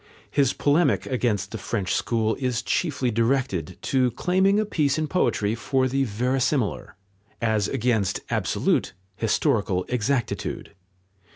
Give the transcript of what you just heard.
His polemic against the French school is chiefly directed to claiming a place in poetry for the verisimilar, as against absolute historical exactitude.